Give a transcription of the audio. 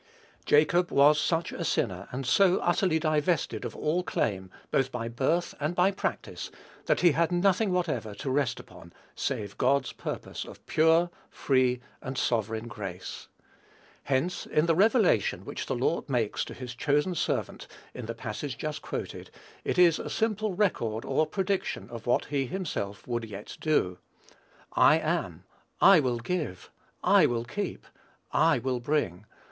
Jacob was such a sinner, and so utterly divested of all claim, both by birth and by practice, that he had nothing whatever to rest upon save God's purpose of pure, free, and sovereign grace. Hence, in the revelation which the Lord makes to his chosen servant, in the passage just quoted, it is a simple record or prediction of what he himself would yet do. "I am.... I will give.... I will keep.... I will bring....